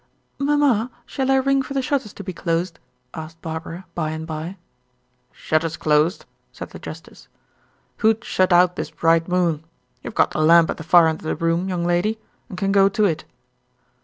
"Mamma, shall I ring for the shutters to be closed?" asked Barbara, by and by. "Shutters closed?" said the justice. "Who'd shut out this bright moon? You have got the lamp at the far end of the room, young lady, and can go to it."